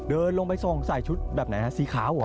เดินลงไปส่งใส่ชุดแบบไหนฮะสีขาวเหรอ